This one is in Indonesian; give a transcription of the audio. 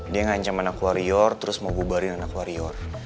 dia ngancam anak warrior terus mau bubarin anak warrior